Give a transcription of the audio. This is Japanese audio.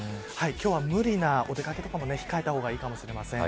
今日は無理なお出掛けとかも控えたほうがいいかもしれません。